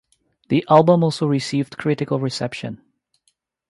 The album also received critical reception.